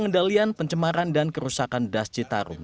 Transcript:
pengendalian pencemaran dan kerusakan das citarum